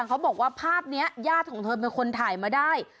เขาบอกว่าภาพนี้ญาติของเธอเป็นคนถ่ายมาได้